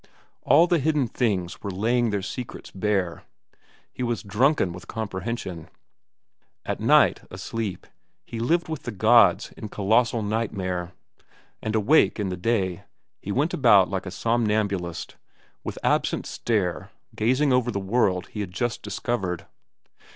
All the hidden things were laying their secrets bare. He was drunken with comprehension. At night, asleep, he lived with the gods in colossal nightmare; and awake, in the day, he went around like a somnambulist, with absent stare, gazing upon the world he had just discovered.